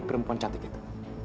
perempuan cantik itu